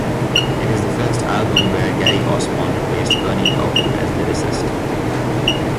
It is the first album where Gary Osborne replaced Bernie Taupin as lyricist.